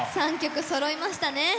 ３曲そろいましたね。